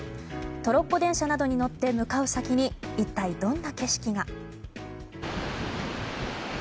トロッコ電車などに乗って向かう先に一体どんな景色が。